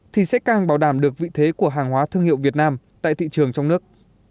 thì sẽ càng bảo đảm được vị thế của hàng hóa thương hiệu việt nam tại thị trường trong nước